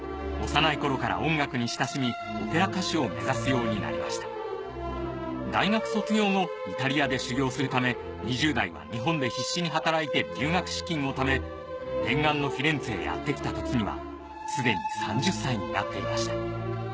幼い頃から音楽に親しみオペラ歌手を目指すようになりました大学卒業後イタリアで修業するため２０代は日本で必死に働いて留学資金を貯め念願のフィレンツェへやって来た時にはすでに３０歳になっていました